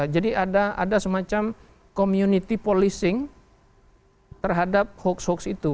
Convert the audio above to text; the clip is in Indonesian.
jadi ada semacam community policing terhadap hoax hoax itu